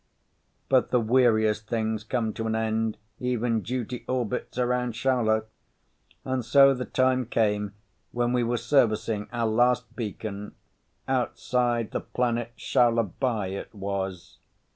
But the weariest things come to an end, even duty orbits around Shaula. And so the time came when we were servicing our last beacon—outside the planet Shaula by, it was.